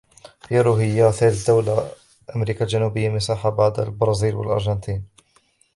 بيرو هي ثالث دول أمريكا الجنوبية مساحةً بعد البرازيل والأرجنتين.